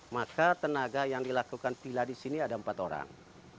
maka tenaga yang dilakukan tila di sini ada empat orang